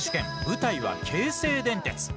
舞台は京成電鉄。